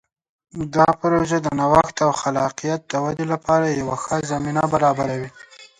دا پروژه د نوښت او خلاقیت د ودې لپاره یوه ښه زمینه برابروي.